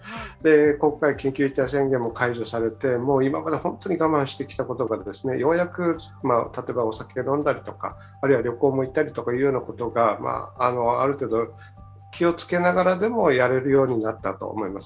今回、緊急事態宣言も解除されて、今まで我慢してきたことがようやく例えばお酒を飲んだり、旅行に行ったりということがある程度、気をつけながらでもやれるようになったと思います。